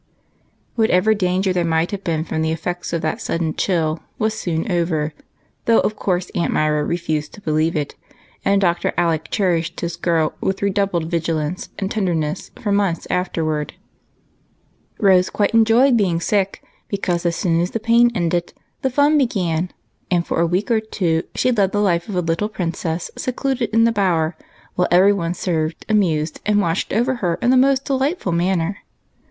WHATEVER danger there might have been from the effects of that sudden chill, it was soon over, though of course Aimt Myra refused to believe it, and Dr. Alec cherished his girl with re doubled vigilance and tenderness for months after w^ard. Rose quite enjoyed being sick, because as soon as the pain ended the fun began, and for a w^eek or two she led the life of a little princess secluded in the Bower, while every one served, amused, and watched over her in the most delightful manner.